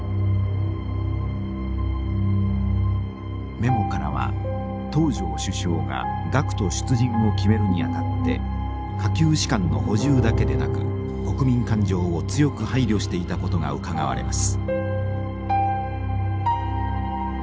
メモからは東條首相が学徒出陣を決めるにあたって下級士官の補充だけでなく国民感情を強く配慮していたことがうかがわれます。